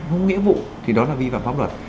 không nghĩa vụ thì đó là vi phạm pháp luật